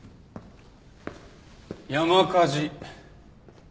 山火事。